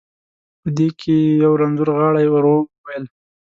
په دې کې یو رنځور غاړي، ورو وویل.